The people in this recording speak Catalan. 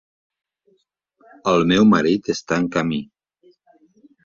El meu marit està en camí.